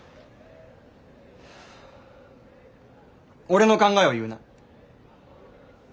俺の考えを言うな。